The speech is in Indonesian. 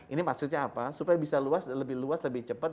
ini maksudnya apa supaya bisa luas lebih luas lebih cepat